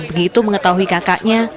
begitu mengetahui kakaknya